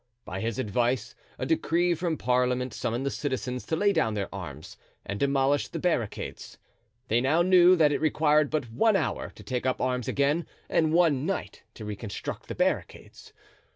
By his advice a decree from parliament summoned the citizens to lay down their arms and demolish the barricades. They now knew that it required but one hour to take up arms again and one night to reconstruct the barricades.